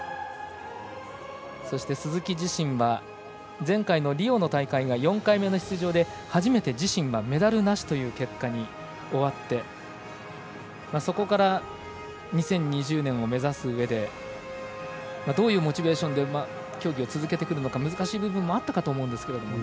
そして鈴木自身は前回のリオの大会が４回目の出場で初めて、自身はメダルなしという結果に終わってそこから２０２０年を目指すうえでどういうモチベーションで競技を続けていくのか難しい部分もあったかと思うんですが。